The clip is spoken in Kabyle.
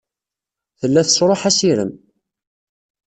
Tella tesṛuḥ assirem.